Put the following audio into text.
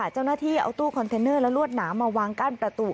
เจ้าหน้าที่เอาตู้คอนเทนเนอร์และลวดหนามมาวางกั้นประตู